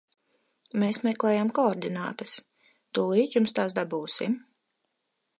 Mēs meklējam koordinātas, tūlīt jums tās dabūsim.